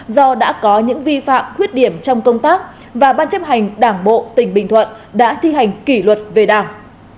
do đã có những vi phạm khuyết điểm trong công tác và ban chấp hành đảng bộ tỉnh bình thuận đã thi hành kỷ luật về đảng